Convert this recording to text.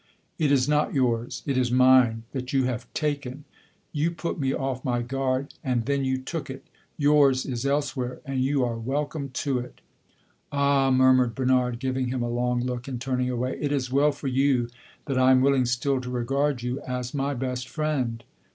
"It is not yours it is mine, that you have taken! You put me off my guard, and then you took it! Yours is elsewhere, and you are welcome to it!" "Ah," murmured Bernard, giving him a long look and turning away, "it is well for you that I am willing still to regard you as my best friend!"